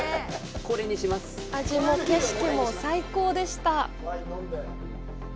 味も景色も最高でした。